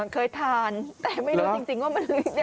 เคยทานแต่ไม่รู้จริงว่ามันเป็นอะไร